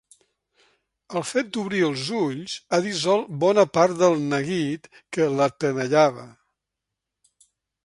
El fet d'obrir els ulls ha dissolt bona part del neguit que l'atenallava.